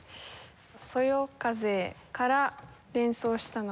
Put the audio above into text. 「そよ風」から連想したのは。